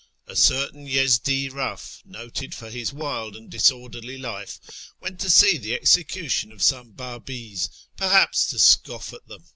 A certain Yezdi rough, noted for his wild and disorderly life, went to see the execution of some Babi's, per haps to scoff at them.